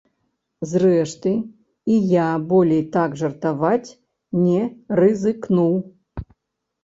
Зрэшты, і я болей так жартаваць не рызыкнуў.